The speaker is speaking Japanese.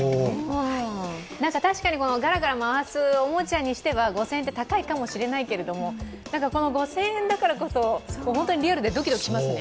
確かにガラガラ回すおもちゃにしては５０００円は高いかもしれないですけど５０００円だからこそ、本当にリアルでドキドキしますね。